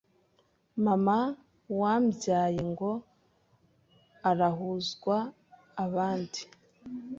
Mama wambyaye ngo arahuzwa abandi”